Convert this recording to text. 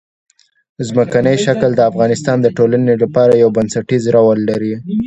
ځمکنی شکل د افغانستان د ټولنې لپاره یو بنسټيز رول لري.